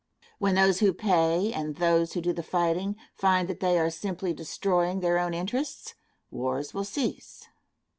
When those who pay, and those who do the fighting, find that they are simply destroying their own interests, wars will cease.